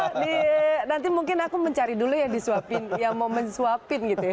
oh di nanti mungkin aku mencari dulu ya disuapin yang mau disuapin gitu ya